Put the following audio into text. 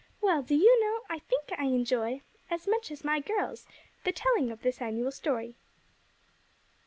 "Well, do you know, I think I enjoy, as much as my girls, the telling of this annual story."